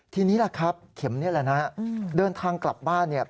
ทีนี้แหละครับเข็มนี้แหละนะเดินทางกลับบ้านเนี่ย